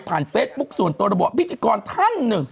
ผ่านเฟซบุ๊กสูญโตรบ่พิจกรท่านหนึ่ง